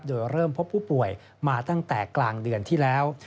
โดยเริ่มพบผู้ป่วยมาตั้งแต่กลางเดือนที่แล้ว